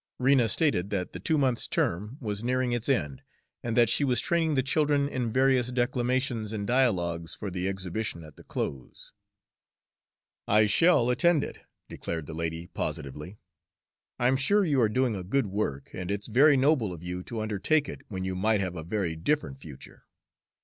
Rena stated that the two months' term was nearing its end, and that she was training the children in various declamations and dialogues for the exhibition at the close. "I shall attend it," declared the lady positively. "I'm sure you are doing a good work, and it's very noble of you to undertake it when you might have a very different future.